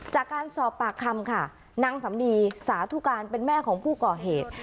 จากการสอบปากคำค่ะนางสำนีสาธุการเป็นแม่ของผู้ก่อเหตุ